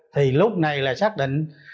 thì lúc này là xác định